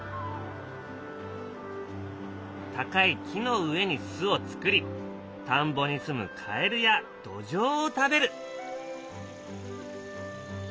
高い木の上に巣を作り田んぼにすむカエルやドジョウを食べる。